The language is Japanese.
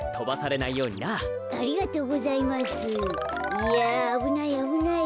いやあぶないあぶない。